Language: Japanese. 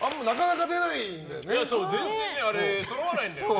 全然そろわないんだよね。